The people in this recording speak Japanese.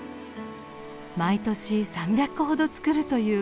毎年３００個ほど作るというよしさん。